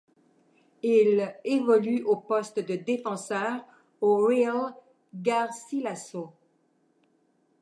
Il évolue au poste de défenseur au Real Garcilaso.